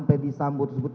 pedi sambung tersebut